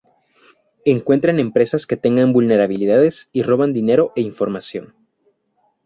Encuentran empresas que tengan vulnerabilidades y roban dinero e información.